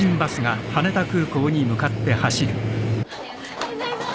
おはようございます。